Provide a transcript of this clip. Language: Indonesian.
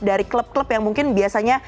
dari klub klub yang mungkin biasanya